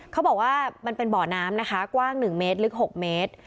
เขาบอกว่ามันเป็นบ่อน้ำนะคะกว้าง๑เมตรลึก๖เมตร